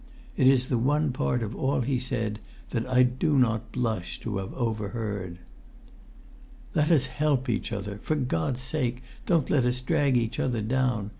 It is the one part of all he said that I do not blush to have overheard. "Let us help each other; for God's sake don't let us drag each other down!